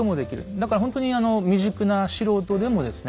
だからほんとに未熟な素人でもですね